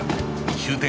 終点